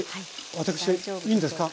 私いいんですか？